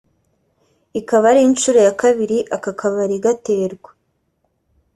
ikaba ari inshuro ya kabiri aka kabari gaterwa